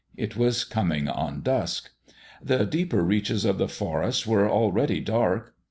It was coming on dusk. The deeper reaches of the forest were already dark.